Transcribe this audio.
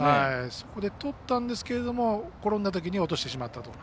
そこでとってるんですけど転んだときに落としてしまったと。